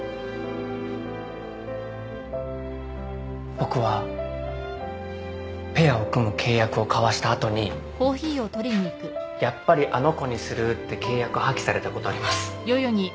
僕はペアを組む契約を交わした後にやっぱりあの子にするって契約破棄されたことあります。